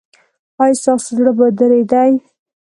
ایا ستاسو زړه به دریدي؟